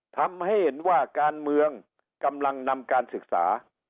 ทำให้เห็นว่าการเมืองกำลังนำการศึกษา